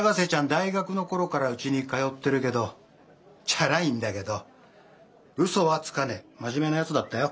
大学の頃からうちに通ってるけどチャラいんだけど嘘はつかねえ真面目なやつだったよ。